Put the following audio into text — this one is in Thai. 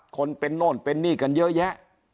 คนเป็นนิกอไรเยอะแยะ